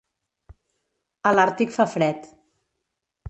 A l'Àrtic fa fred.